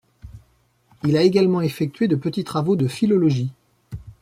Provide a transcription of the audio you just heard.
Il a également effectué de petits travaux de philologie.